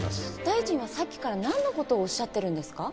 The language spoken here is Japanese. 大臣はさっきからなんの事をおっしゃってるんですか？